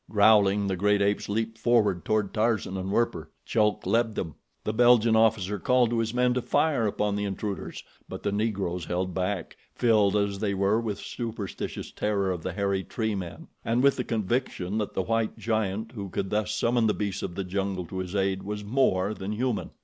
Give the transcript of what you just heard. Growling, the great apes leaped forward toward Tarzan and Werper. Chulk led them. The Belgian officer called to his men to fire upon the intruders; but the Negroes held back, filled as they were with superstitious terror of the hairy treemen, and with the conviction that the white giant who could thus summon the beasts of the jungle to his aid was more than human.